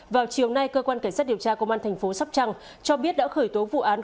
vào chiều nay cơ quan cảnh sát điều tra công an thành phố sắp trăng cho biết đã khởi tố vụ án